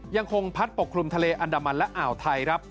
ยังคงพัดปกคลุมทะเลอันดามันและอ่าวไทยครับ